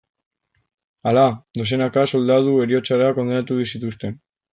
Hala, dozenaka soldadu heriotzara kondenatu zituzten.